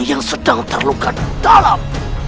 yang sedang terluka dalam